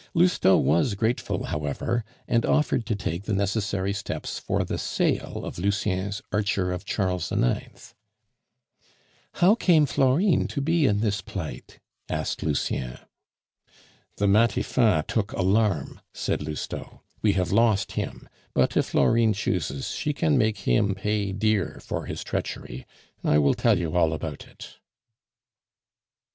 Lousteau was grateful, however, and offered to take the necessary steps for the sale of Lucien's Archer of Charles IX. "How came Florine to be in this plight?" asked Lucien. "The Matifat took alarm," said Lousteau. "We have lost him; but if Florine chooses, she can make him pay dear for his treachery. I will tell you all about it."